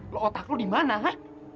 lo otak lo dimana ha